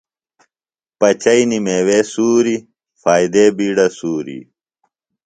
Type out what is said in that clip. پچیئنیۡ میوے سُوری، فائدے بِیڈہ سُوری